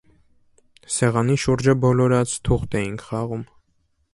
Սեղանի շուրջը բոլորած՝ թուղթ էինք խաղում: